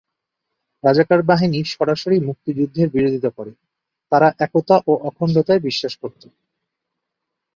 রাজাকার বাহিনী সরাসরি মুক্তিযুদ্ধের বিরোধিতা করে তারা একতা ও অখণ্ডতায় বিশ্বাস করত।